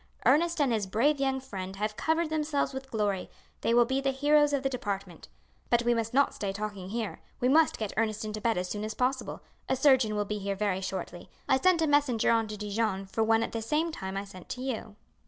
Ernest and his brave young friend have covered themselves with glory; they will be the heroes of the department. But we must not stay talking here. We must get Ernest into bed as soon as possible. A surgeon will be here very shortly. I sent a messenger on to Dijon for one at the same time I sent to you."